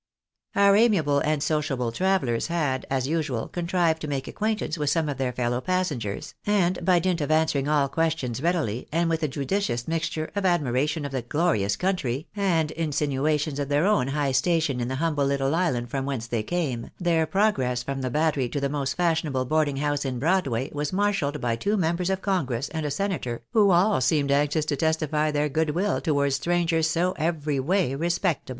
Our amiable and sociable travellers had, as usual, contrived to make acquaintance with some of their fellow passengers, and by dint of answering all questions readily, and with a judicious mix ture of admiration of the glorious country, and insinuations of their own high station in the humble little island from whence they came, their progress from the Battery to the most fashionable house in Broadway was marshalled by two members of congress and a senator, who all seemed anxious to testify their good will towards strangers so every way respectable.